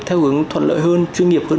theo hướng thuận lợi hơn chuyên nghiệp hơn